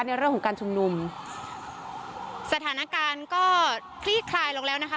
ในเรื่องของการชุมนุมสถานการณ์ก็คลี่คลายลงแล้วนะคะ